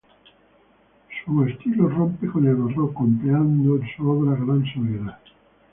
Su estilo rompe con el barroco, empleando en sus obras gran sobriedad.